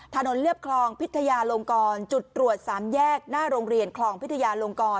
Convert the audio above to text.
เรียบคลองพิทยาลงกรจุดตรวจ๓แยกหน้าโรงเรียนคลองพิทยาลงกร